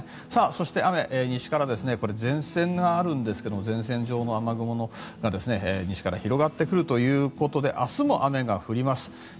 そして、雨西から前線があるんですが前線状の雨雲が西から広がってくるということで明日も雨が降ります。